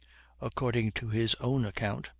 According to his own account (p.